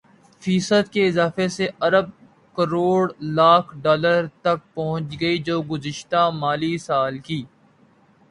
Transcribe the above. فیصد کے اضافے سے ارب کروڑ لاکھ ڈالر تک پہنچ گئی جو گزشتہ مالی سال کی